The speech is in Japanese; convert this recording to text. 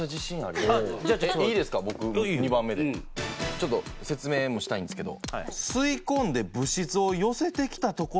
ちょっと説明もしたいんですけど。